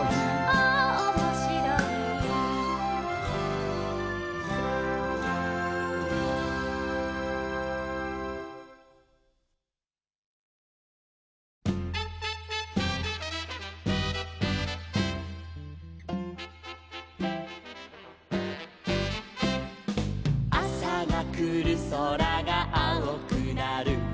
「ああおもしろい」「あさがくるそらがあおくなる」